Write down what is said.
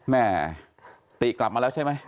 แม่ติกลับมาแล้วใช่ไหม